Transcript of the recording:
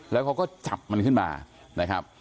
แล้วเขาก็จับมันขึ้นมา